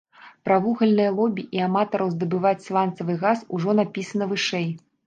Пра вугальнае лобі і аматараў здабываць сланцавы газ ужо напісана вышэй.